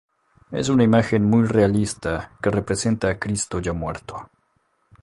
Es una imagen muy realista que representa a Cristo ya muerto.